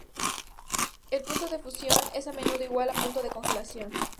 El punto de fusión es a menudo igual al punto de congelación.